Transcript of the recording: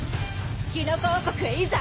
「キノコ王国へいざ」